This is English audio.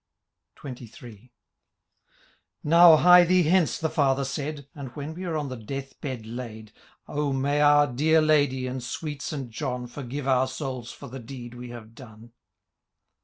XXIII. ^ Now, hie thee hence,*^ the Father said, And when we are on death bed laid, O may our dear Ladye, and sweet St John, Foxgive our souls for the deed we have done